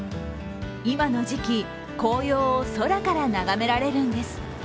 今の時期、紅葉を空から眺められるんです。